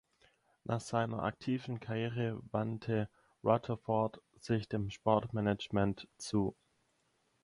Nach seiner aktiven Karriere wandte Rutherford sich dem Sportmanagement zu.